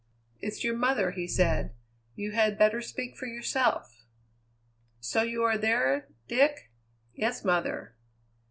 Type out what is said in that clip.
"It's your mother," he said; "you had better speak for yourself." "So you are there, Dick?" "Yes, mother."